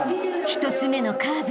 ［１つ目のカーブ。